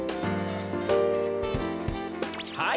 はい。